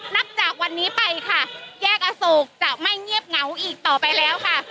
นับจากวันนี้ไปค่ะแยกอโศกจะไม่เงียบเหงาอีกต่อไปแล้วค่ะ